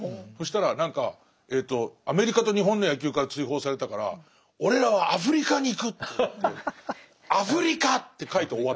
そしたら何かアメリカと日本の野球から追放されたから俺らはアフリカに行くっていって。